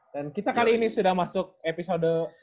dan kita kali ini sudah masuk episode